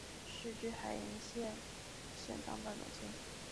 世居海盐县沈荡半逻村。